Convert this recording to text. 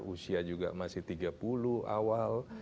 usia juga masih tiga puluh awal